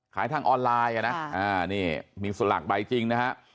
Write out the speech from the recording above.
ขายทางออนไลน์นะนี่มีสลักใบจริงนะฮะ